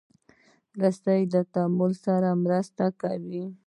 رسۍ له تعادل سره مرسته کوي.